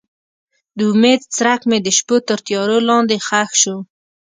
د امید څرک مې د شپو تر تیارو لاندې ښخ شو.